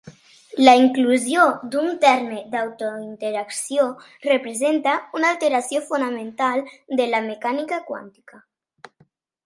La inclusió d'un terme d'autointeracció representa una alteració fonamental de la mecànica quàntica.